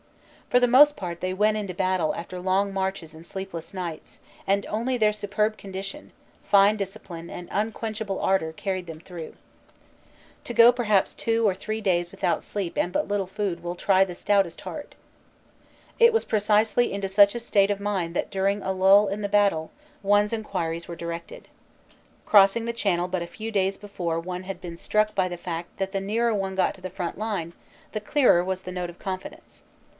For the most part they went into battle after long marches and sleepless nights, and only their superb condition, fine discipline and unquenchable ardor carried them through. To go perhaps two or three days without sleep and but little food will try the stoutest heart. It was precisely into such a state of mind that during a lull in the battle one s enquiries were directed. Crossing the Channel but a few days before one had been struck by the fact that the nearer one got to the front line, the clearer was the note of confidence.